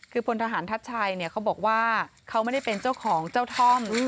คือพลทหารทัชชัยเขาบอกว่าเขาไม่ได้เป็นเจ้าของเจ้าท่อม